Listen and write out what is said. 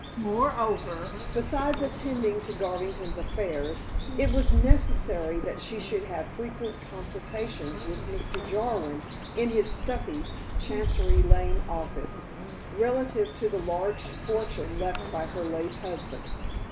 Moreover, besides attending to Garvington's affairs, it was necessary that she should have frequent consultations with Mr. Jarwin in his stuffy Chancery Lane office, relative to the large fortune left by her late husband.